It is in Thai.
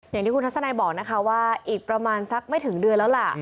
อย่างที่คุณทัศนายบอกนะคะว่าอีกประมาณสักไม่ถึงเดือนแล้วล่ะ